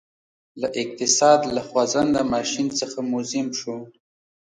له اقتصاد له خوځنده ماشین څخه موزیم شو